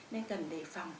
nên cần đề phòng